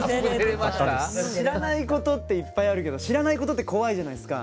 知らないことっていっぱいあるけど知らないことって怖いじゃないですか。